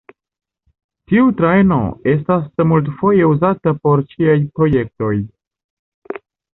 Tiu trajno estas multfoje uzata por ĉiaj projektoj.